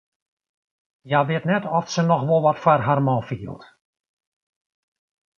Hja wit net oft se noch wol wat foar har man fielt.